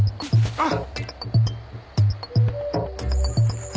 あっ！